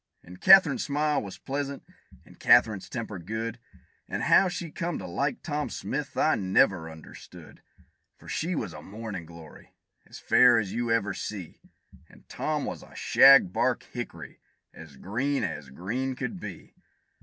And Katherine's smile was pleasant, and Katherine's temper good, And how she come to like Tom Smith, I never understood; For she was a mornin' glory, as fair as you ever see, And Tom was a shag bark hickory, as green as green could be.